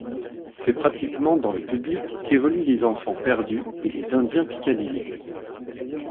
C'est pratiquement dans le public qu'évoluent les enfants perdus et les Indiens Piccadilly.